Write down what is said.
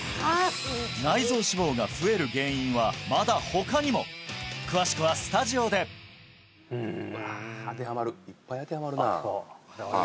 内臓脂肪が増える原因はまだ他にも詳しくはスタジオで当てはまるいっぱい当てはまるなあっそう？